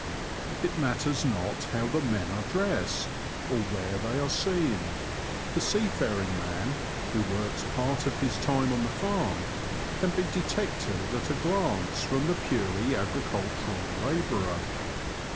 It matters not how the men are dressed, or where they are seen, the seafaring man, who works part of his time on the farm, can be detected at a glance from the purely agricultural labourer.